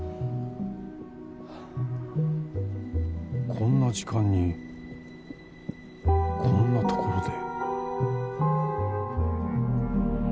・［こんな時間にこんなところで］